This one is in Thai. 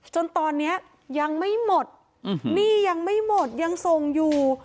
จนตอนนี้ยังไม่หมดหนี้ยังไม่หมดยังส่งอยู่